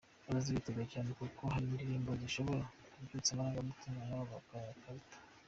Bazaze biteguye cyane kuko hari n’indirimbo zishobora kubyutsa amarangamutima yabo bakarira.